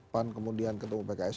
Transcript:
pan kemudian ketemu pks